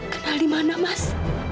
kenal dimana mas